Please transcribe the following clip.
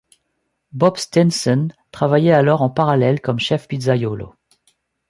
Bob Stinson travaillait alors en parallèle comme chef pizzaïolo.